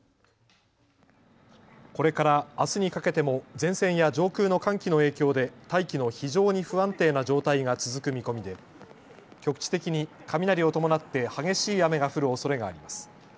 これからあすにかけても前線や上空の寒気の影響で大気の非常に不安定な状態が続く見込みで局地的に雷を伴って激しい雨が降るおそれがあります。